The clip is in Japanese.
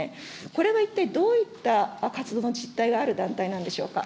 これは一体、どういった活動の実態がある団体なんでしょうか。